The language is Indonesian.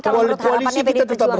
kalau menurut harapannya pdp jawa jawa